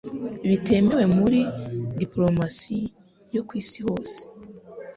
bitemewe muri dipolomasi yo kw'isi hose